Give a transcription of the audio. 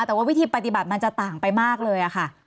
แต่ว่าวิธีปฏิบัติมันจะต่างไปมากเลยค่ะ